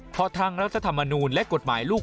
เพราะทางรัฐธรรมนูลและกฎหมายลูก